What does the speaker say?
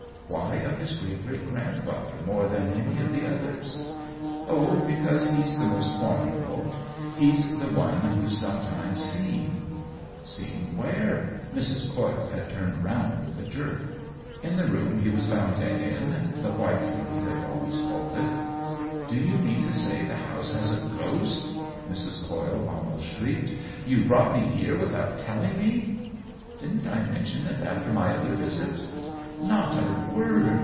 " Why of his great great grandfather more than of any of the others ?" "Oh, because he*s the most formidable. He's the one who's sometimes seen." " Seen where ?" Mrs. Coyle had turned round with a jerk. " In the room he was found dead in — the White Room they've always called it." OWEN WINGRAVE 193 " Do you mean to say the house has a ghost r Mrs. Coyle almost shrieked. " You brought me here without telling me ?"" Didn't I mention it after my other visit ?" "Not a word.